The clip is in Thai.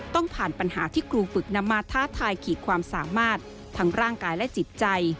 ต้องผ่านปัญหาที่ครูฝึกนำมาท้าทายขีดความสามารถทั้งร่างกายและจิตใจ